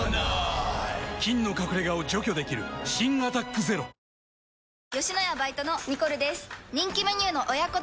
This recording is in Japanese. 菌の隠れ家を除去できる新「アタックＺＥＲＯ」アロマのエッセンス？